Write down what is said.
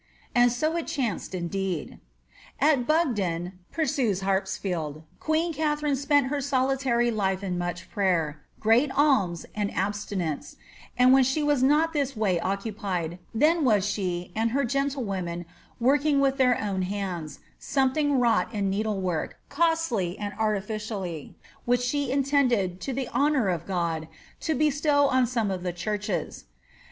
And so it chanced, indeed." ^ At Bugden," pur Mes Ilarpafield, ^ queen Katharine spent her solitary life in much prayer, great akna, and abstinence ; and when she was not this way occupied, tben was she, and her gentlewomen, working with their own hands, fomethiiig wrought in needlework, costly and artificially, which she in tended, to the honour of God, to bestow on some of the churches.